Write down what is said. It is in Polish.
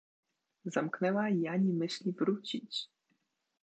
Zamknęła i ani myśli wrócić.